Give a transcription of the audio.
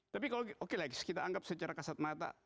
tapi kalau kita anggap secara kasat mata